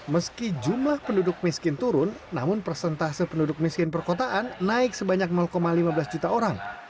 meski jumlah penduduk miskin turun namun persentase penduduk miskin perkotaan naik sebanyak lima belas juta orang